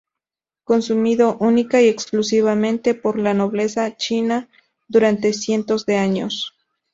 Consumido única y exclusivamente por la nobleza china durante cientos de años.